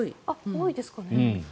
多いですかね。